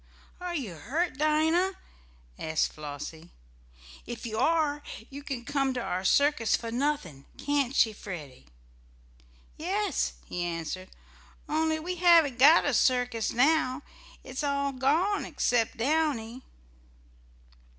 "Are you hurt, Dinah?" asked Flossie. "If you are you can come to our circus for nothing; can't she, Freddie?" "Yes," he answered, "only we haven't got a circus now. It's all gone except Downy."